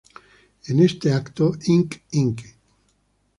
En ese evento, Ink Inc.